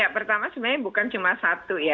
pertama sebenarnya bukan cuma satu